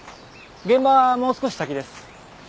現場はもう少し先です。